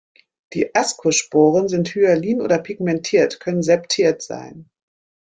Die Ascosporen sind hyalin oder pigmentiert, können septiert sein.